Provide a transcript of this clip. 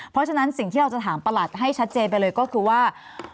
เพราะฉะนั้นสิ่งที่เราจะถามประหลัดให้ชัดเจนไปเลยก็คือว่า